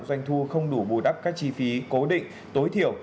doanh thu không đủ bù đắp các chi phí cố định tối thiểu